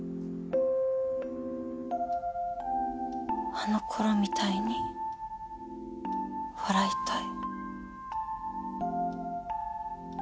「あの頃みたいに笑いたい」。